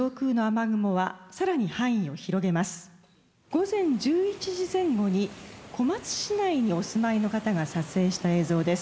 午前１１時前後に小松市内にお住まいの方が撮影した映像です。